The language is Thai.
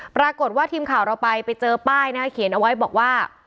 ปรากฏว่าทีมข่าวเราไปไปเจอป้ายนะเขียนเอาไว้บอกว่า